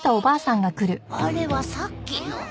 あれはさっきの。